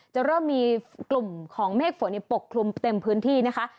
จะเริ่มมีกลุ่มของเมฆฝนปกคลุมเต็มพื้นที่นะคะ